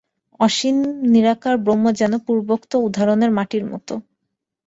অসীম নিরাকার ব্রহ্ম যেন পূর্বোক্ত উদাহরণের মাটির মত।